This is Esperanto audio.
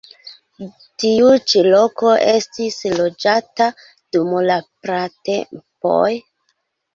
Tiu ĉi loko estis loĝata dum la pratempoj.